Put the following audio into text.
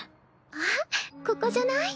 あっここじゃない？